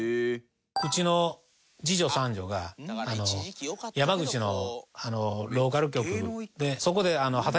うちの次女三女が山口のローカル局でそこで。